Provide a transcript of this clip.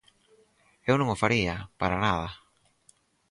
Eu non o faría, para nada.